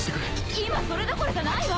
今それどころじゃないわ！